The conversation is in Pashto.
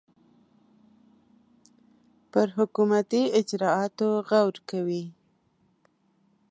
پر حکومتي اجرآتو غور کوي.